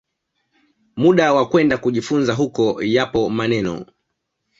muda wa kwenda kujifunza huko Yapo maneno